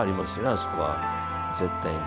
あそこは絶対に。